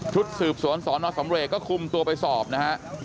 ชุดสืบสวนสนสำเรกก็คุมตัวไปสอบนะฮะ